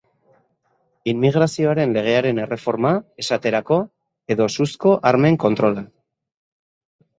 Immigrazioaren legearen erreforma, esaterako, edo suzko armen kontrola.